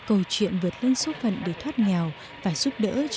câu chuyện vượt lên số phận để thoát nghèo và giúp đỡ cho người cùng tình